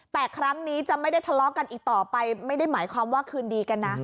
แต่ครั้งนี้จะไม่ได้ทะเลาะกันอีกต่อไปไม่ได้หมายความว่าคืนดีกันนะ